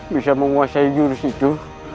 bisa menguasai jurus itu